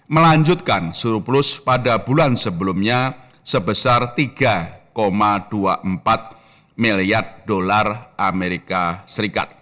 melanjutkan surplus pada bulan sebelumnya sebesar tiga dua puluh empat miliar dolar amerika serikat